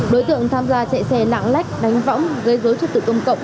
đối tượng tham gia chạy xe lạng lách đánh võng gây dối trật tự công cộng